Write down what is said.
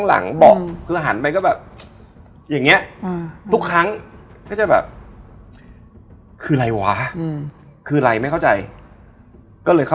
แล้วคนนี้ก็ทักบอกว่าไปทำเลยนะ